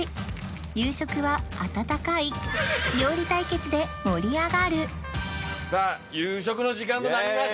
夕食は温かい料理対決で盛り上がるさあ夕食の時間となりました！